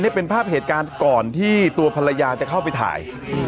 นี่เป็นภาพเหตุการณ์ก่อนที่ตัวภรรยาจะเข้าไปถ่าย